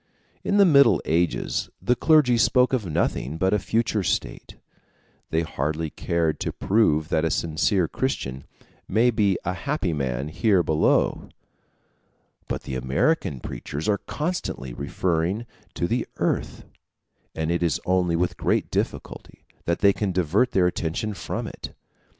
In the Middle Ages the clergy spoke of nothing but a future state; they hardly cared to prove that a sincere Christian may be a happy man here below. But the American preachers are constantly referring to the earth; and it is only with great difficulty that they can divert their attention from it.